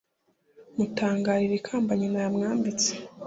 mutangarire ikamba Nyina yamwambitse